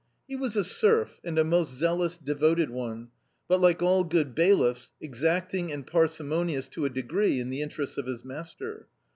He was a serf, and a most zealous, devoted one, but, like all good bailiffs, exacting and parsimonious to a degree in the interests of his master.